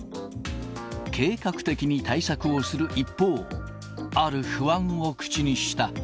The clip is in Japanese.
計画的に対策をする一方、ある不安を口にした。